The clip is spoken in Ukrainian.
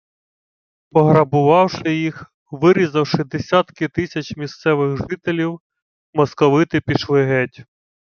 Пограбувавши їх, вирізавши десятки тисяч місцевих жителів, московити пішли геть